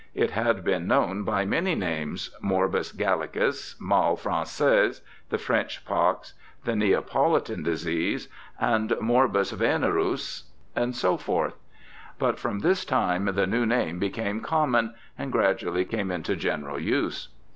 It had been known by many names — morbus gallicus, mal Francais, the French pox, the Neapolitan disease. FRACASTORIUS 289 and morbus venereus, &c. ; but from this time the new name became common, and gradually came into general use.